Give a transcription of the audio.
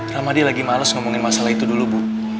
ramadi lagi males ngomongin masalah itu dulu bu